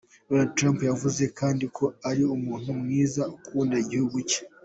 Donald Trump yavuze kandi ko "ari umuntu mwiza" akunda igihugu ciwe.